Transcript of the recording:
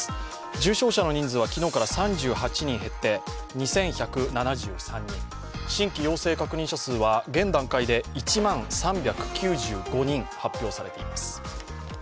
重症者の人数は昨日から３８人減って２１７３人、新規陽性確認者数は現段階で１万３９５人、発表されています。